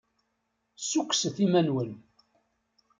Ssukkset iman-nwen.